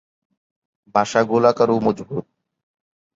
বাসা গোলাকার ও মজবুত।